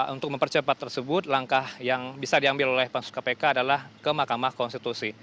untuk mempercepat tersebut langkah yang bisa diambil oleh pansus kpk adalah ke mahkamah konstitusi